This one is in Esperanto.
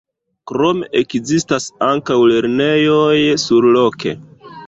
Krome ekzistas ankaŭ lernejoj surloke.